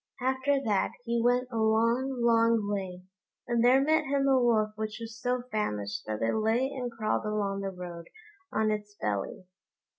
After that he went a long, long way, and there met him a Wolf which was so famished that it lay and crawled along the road on its belly.